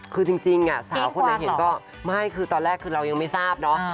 คือจริงสาวคนไหนเห็นก็ไม่คือตอนแรกคือเรายังไม่ทราบเนาะ